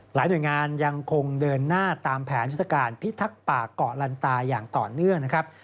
หน่วยงานยังคงเดินหน้าตามแผนยุทธการพิทักษ์ป่าเกาะลันตาอย่างต่อเนื่องนะครับ